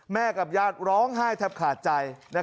กับญาติร้องไห้แทบขาดใจ